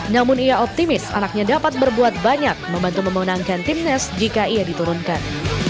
namun ia optimis anaknya dapat berbuat banyak membantu memenangkan timnas jika ia diturunkan